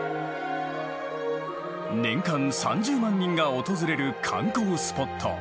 年間３０万人が訪れる観光スポット。